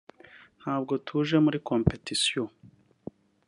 …ntabwo tuje muri competition